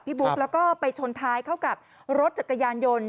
บุ๊คแล้วก็ไปชนท้ายเข้ากับรถจักรยานยนต์